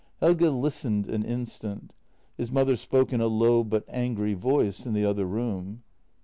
Helge listened an instant — his mother spoke in a low but angry voice in the other room.